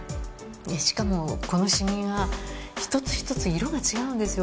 しかもこのシミが１つ１つ色が違うんですよ。